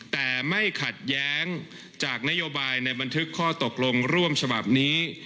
แต่ไม่ขัดแย้งจากนโยบายในบันทึกข้อตกลงร่วมฉบับนี้